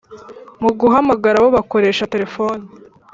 mu guhamagara bo bakoresha telephone